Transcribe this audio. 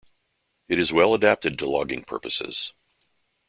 It is well adapted to logging purposes.